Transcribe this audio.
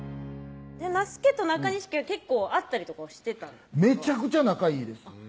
那須家と中西家は結構会ったりとかはしてためちゃくちゃ仲いいです